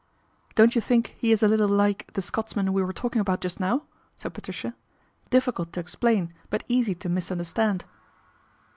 " Don't yon think he is a little tike the Scot man we were talking about just now?" sa Patricia. " Difficult to explain ; but easy misunderstand."